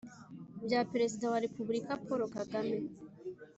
bya Perezida wa Repubulika paul kagame